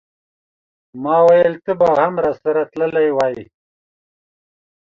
ماویل ته به هم راسره تللی وای.